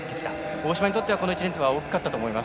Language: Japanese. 大島にとってはこの１年大きかったと思います。